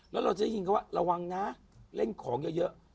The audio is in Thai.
แล้วเราจะได้ยินเขาว่าระวังนะเล่นของเยอะ